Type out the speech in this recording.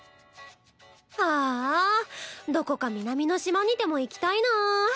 あぁあどこか南の島にでも行きたいなぁ。